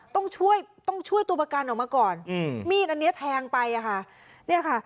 ต้องช่วยตัวประกันออกมาก่อนมีดอันนี้แทงไปค่ะ